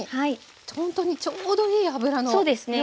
ほんとにちょうどいい油の量ですね。